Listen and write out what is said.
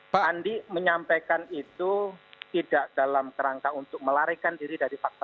pak andi menyampaikan itu tidak dalam kerangka untuk melarikan diri dari fakta